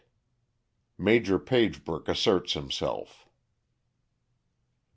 _Major Pagebrook asserts himself.